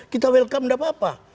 kita welcome tidak apa apa